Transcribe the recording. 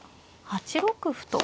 ８六歩と。